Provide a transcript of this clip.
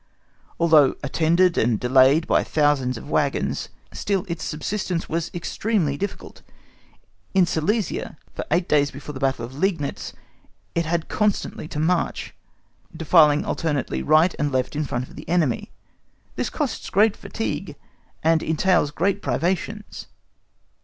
Although attended and delayed by thousands of waggons, still its subsistence was extremely difficult. In Silesia, for eight days before the battle of Leignitz, it had constantly to march, defiling alternately right and left in front of the enemy:—this costs great fatigue, and entails great privations.